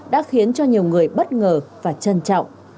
đã khiến cho nhiều người bất ngờ và trân trọng